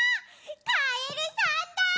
カエルさんだ！